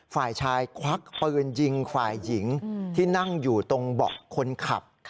ฝ่ายชายควักปืนยิงฝ่ายหญิงที่นั่งอยู่ตรงเบาะคนขับ